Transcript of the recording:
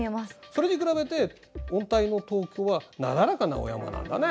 それに比べて温帯の東京はなだらかなお山なんだね。